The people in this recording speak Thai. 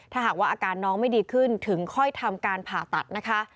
ถ้าหากว่าอาการน้องไม่ดีขึ้นถึงค่อยทำการผ่าตัดนะคะ